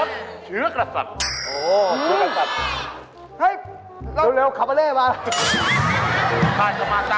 นางนางวรบันดาษฐ์